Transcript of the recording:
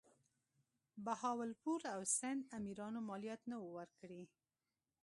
بهاولپور او سند امیرانو مالیات نه وه ورکړي.